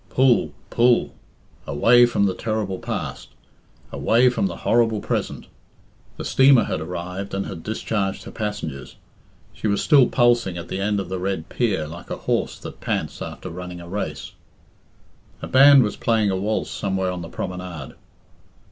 Pull, pull! Away from the terrible past. Away from the horrible present. The steamer had arrived, and had discharged her passengers. She was still pulsing at the end of the red pier like a horse that pants after running a race. A band was playing a waltz somewhere on the promenade.